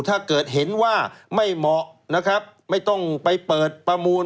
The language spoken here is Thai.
ถ้าเห็นว่าไม่เหมาะไม่ต้องไปเปิดประมูล